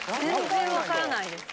全然分からないです。